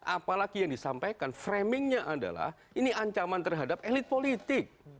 apalagi yang disampaikan framingnya adalah ini ancaman terhadap elit politik